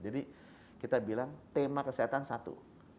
jadi kita bilang tema kesehatan satu